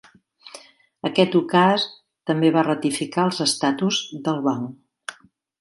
Aquest ukaz també va ratificar els estatus del banc.